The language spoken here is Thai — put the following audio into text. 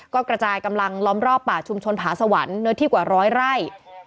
ก็กระจายกำลังล้อมรอบป่าชุมชนผาสวรรค์เนื้อที่กว่าร้อยไร่